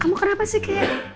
kamu kenapa sih kayak